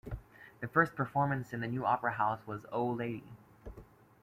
The first performance in the new opera house was Oh, Lady!